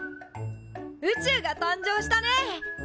宇宙が誕生したね。